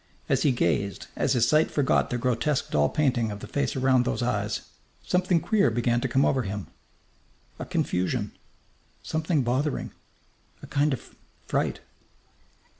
As he gazed, as his sight forgot the grotesque doll painting of the face around those eyes, something queer began to come over him. A confusion. Something bothering. A kind of fright.